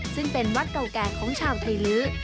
ซึ่งเป็นวัดเก่าแก่ของชาวไทยลื้อ